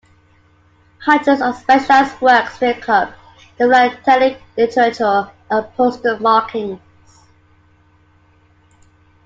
Hundreds of specialized works make up the philatelic literature of postal markings.